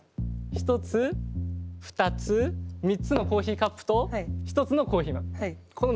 １つ２つ３つのコーヒーカップと１つのコーヒー豆。